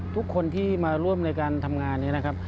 ทุกคนที่มาร่วมในการทำงานนี้นะครับ